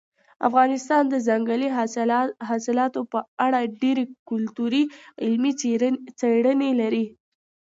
افغانستان د ځنګلي حاصلاتو په اړه ډېرې ګټورې علمي څېړنې لري.